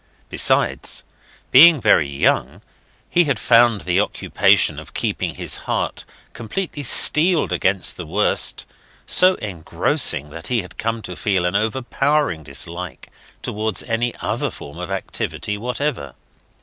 Besides, being very young, he had found the occupation of keeping his heart completely steeled against the worst so engrossing that he had come to feel an overpowering dislike towards any other form of activity whatever.